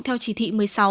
theo chỉ thị một mươi sáu